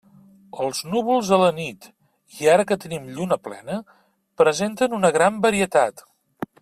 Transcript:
Els núvols a la nit, i ara que tenim lluna plena, presenten una gran varietat.